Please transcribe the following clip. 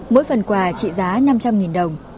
mỗi phần quà trị giá năm trăm linh đồng